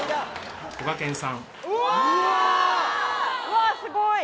うわっすごい！